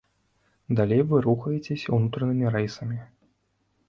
Далей вы рухаецеся ўнутранымі рэйсамі.